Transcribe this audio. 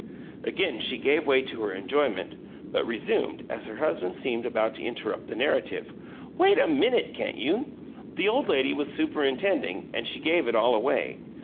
Again she gave way to her enjoyment, but resumed, as her husband seemed about to interrupt the narrative. "Wait a minute, can't you? The old lady was superintending, and she gave it all away.